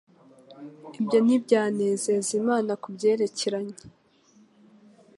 Ibyo ntibyanezeza Imana. Ku byerekeranye